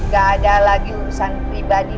gak ada lagi urusan pribadi